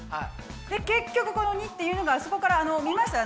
で結局この②っていうのがあそこから見ました？